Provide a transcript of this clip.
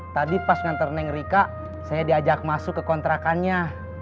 tadi pas nganter neng rika saya diajak masuk ke kontrakannya